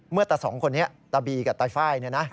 เมื่อแต่สองคนนี้ตะบีกับตะไฟ่